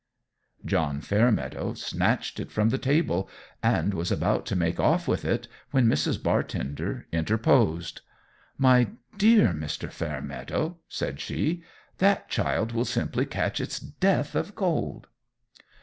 John Fairmeadow snatched it from the table, and was about to make off with it, when Mrs. Bartender interposed. "My dear Mr. Fairmeadow," said she, "that child will simply catch its death of cold!"